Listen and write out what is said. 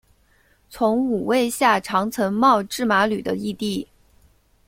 从五位下长岑茂智麻吕的义弟。